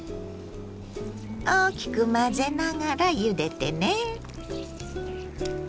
大きく混ぜながらゆでてね。